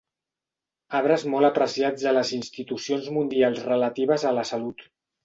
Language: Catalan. Arbres molt apreciats a les institucions mundials relatives a la salut.